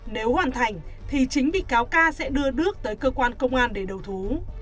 nếu hoàn thành thì chính bị cáo ca sẽ đưa đước tới cơ quan công an để đầu thú